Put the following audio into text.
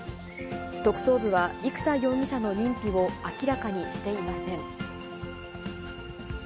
特捜部は、生田容疑者の認否を明らかにしていません。